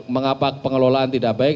mengapa pengelolaan tidak baik